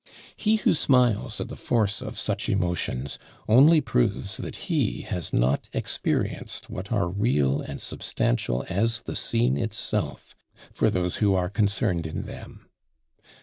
He who smiles at the force of such emotions, only proves that he has not experienced what are real and substantial as the scene itself for those who are concerned in them.